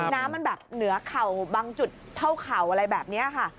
น้ำมันแบบเหนือเข่าบางจุดเท่าเข่าอะไรแบบนี้ค่ะ